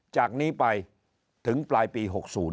จากนี้ไปถึงปลายปี๖๐